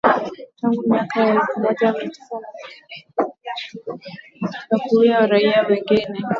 tangu miaka ya elfu moja mia tisa na tisini na kuua raia wengi